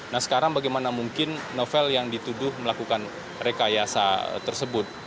nah sekarang bagaimana mungkin novel yang dituduh melakukan rekayasa tersebut